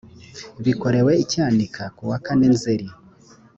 bikorewe i cyanika kuwa kane nzeri